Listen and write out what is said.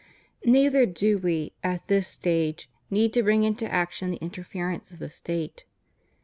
, Neither do we, at this stage, need to bring into action tl the interference of the State.